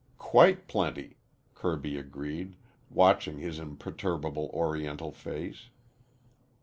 "Quite plenty," Kirby agreed, watching his imperturbable Oriental face.